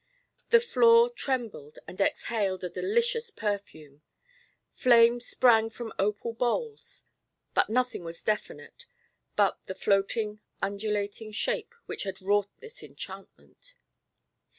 The floor trembled and exhaled a delicious perfume. Flame sprang from opal bowls. But nothing was definite but the floating undulating shape which had wrought this enchantment.